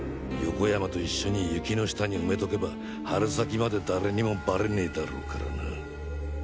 横山と一緒に雪の下に埋めとけば春先まで誰にもバレねぇだろうからな。